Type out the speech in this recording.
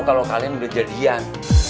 kalo kalian udah jadian